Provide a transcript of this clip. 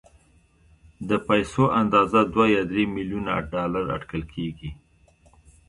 د پيسو اندازه دوه يا درې ميليونه ډالر اټکل کېږي.